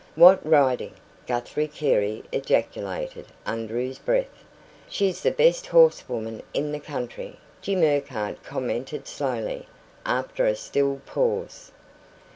"What riding!" Guthrie Carey ejaculated, under his breath. "She's the best horsewoman in the country," Jim Urquhart commented slowly, after a still pause.